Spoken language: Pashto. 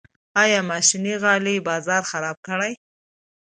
آیا ماشیني غالۍ بازار خراب کړی؟